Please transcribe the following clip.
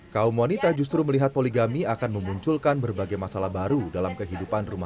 kaum wanita justru melihat poligami akan memunculkan berbagai masalah baru dalam kehidupan rumah